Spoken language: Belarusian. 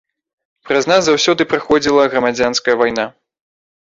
Праз нас заўсёды праходзіла грамадзянская вайна.